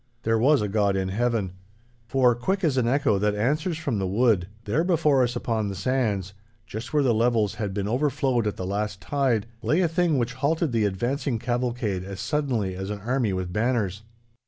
There was a God in heaven. For, quick as an echo that answers from the wood, there before us upon the sands, just where the levels had been overflowed at the last tide, lay a thing which halted the advancing cavalcade as suddenly as an army with banners.